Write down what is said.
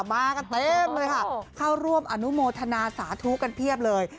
มากันเต็มเลยค่ะเข้าร่วมอนุโมทนาสาธุกันเพียบเลย